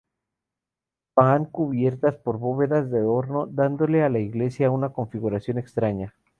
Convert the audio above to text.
Van cubiertas por bóvedas de horno, dándole a la iglesia una configuración extraña.